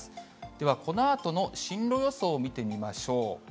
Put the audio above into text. では、このあとの進路予想を見てみましょう。